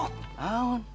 eh tapi mah sayang